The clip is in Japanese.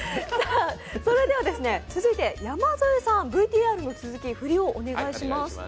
それでは続いて、山添さんＶＴＲの続きお願いします。